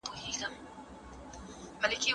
موږ له ماڼۍ څخه ډګر ته وړاندي نه وو تللي.